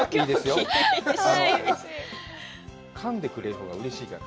かんでくれるのがうれしいから。